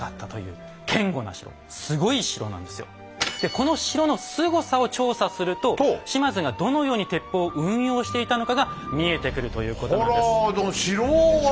この城のすごさを調査すると島津がどのように鉄砲を運用していたのかが見えてくるということなんです。